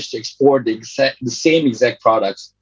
mereka berhasil mengekspor produk yang sama